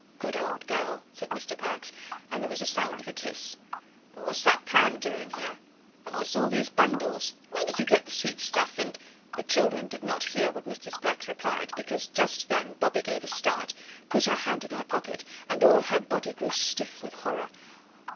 "Good old girl!" said Mr. Perks, and there was a sound of a kiss. "But what's that pram doing here? And what's all these bundles? And where did you get the sweetstuff, and " The children did not hear what Mrs. Perks replied, because just then Bobbie gave a start, put her hand in her pocket, and all her body grew stiff with horror.